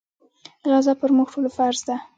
غزا پر موږ ټولو فرض ده.